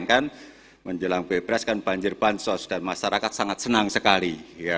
kan menjelang bebas kan banjir bansos dan masyarakat sangat senang sekali